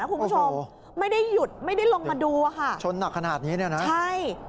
คุณผู้ชมไม่ได้หยุดไม่ได้ลงมาดูอ่ะค่ะชนหนักขนาดนี้เนี่ยนะใช่